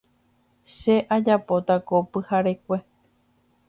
Che ajapóta ko pyharekue.